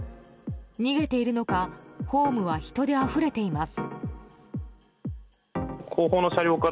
逃げているのかホームは人であふれています。